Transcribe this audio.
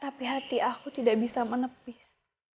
tapi hati aku tidak bisa menepis